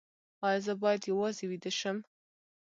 ایا زه باید یوازې ویده شم؟